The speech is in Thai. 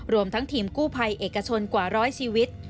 รวมทั้งทีมกู้ภัยเอกชนกว่าร้อยชีวิต